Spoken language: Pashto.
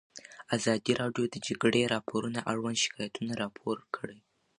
ازادي راډیو د د جګړې راپورونه اړوند شکایتونه راپور کړي.